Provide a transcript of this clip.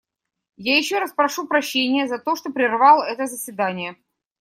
Я еще раз прошу прощения за то, что прервал это заседание.